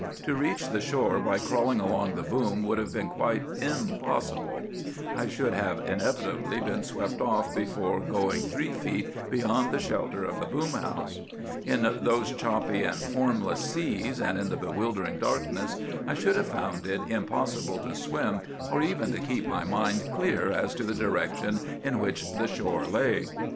To reach the shore by crawling along the boom would have been quite impossible. I should have inevitably been swept off before going three feet beyond the shelter of the boom house. In those choppy and formless seas and in the bewildering darkness, I should have found it impossible to swim, or even to keep my mind clear as to the direction in which the shore lay.